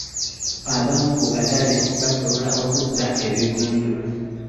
Ab'omu katale basobola okuguza ebivundu .